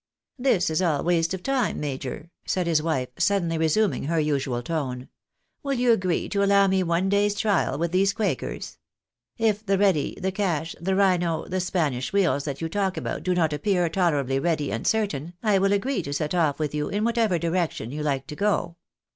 " This is all waste of time, major," said his wife, suddenly resuming her usual tone. " WiU you agree to allow me one day's trial with these quakers ? If the ready, the cash, the rhino, the Spanish wheels that you talk about do not appear tolerably ready and certain, I will agree to set off with you in whatever direction you Uke to go.